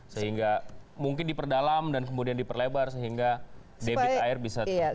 sehingga mungkin diperdalam dan kemudian diperlebar sehingga debit air bisa